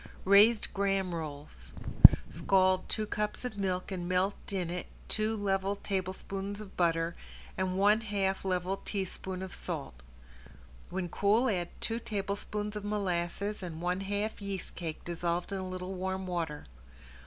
~RAISED GRAHAM ROLLS~ Scald two cups of milk and melt in it two level tablespoons of butter and one half level teaspoon of salt. When cool add two tablespoons of molasses and one half yeast cake dissolved in a little warm water.